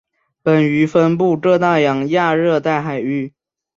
本鱼分布各大洋亚热带海域。